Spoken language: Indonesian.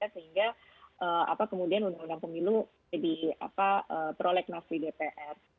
sehingga kemudian undang undang pemilu jadi prolek nasri dpr